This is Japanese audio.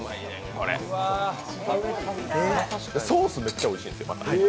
ソース、めっちゃおいしいねん、また。